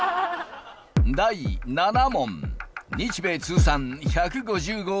第７問日米通算１５０号